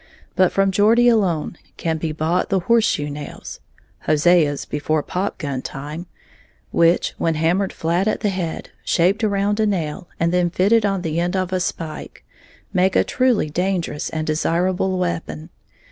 But from Geordie alone can be bought the horse shoe nails (Hosea's before popgun time) which, when hammered flat at the head, shaped around a nail, and then fitted on the end of a spike, make a truly dangerous and desirable weapon.